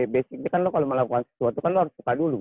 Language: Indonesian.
besiknya kan lo kalau mau lakukan sesuatu kan lo harus suka dulu